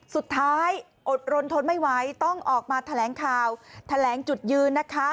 อดรนทนไม่ไหวต้องออกมาแถลงข่าวแถลงจุดยืนนะคะ